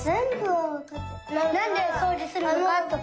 なんでそうじするのかとか。